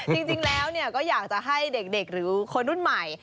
จริงแล้วก็อยากจะให้เด็กหรือคนรุ่นใหม่